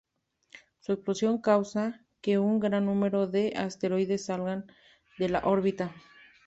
Su explosión causa, que un gran número de asteroides salgan de la órbita.